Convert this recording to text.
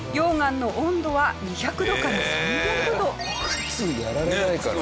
靴やられないかな？